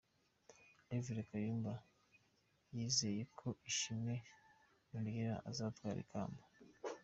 Rev Kayumba yizeye ko Ishimwe Noriella azatwara ikamba.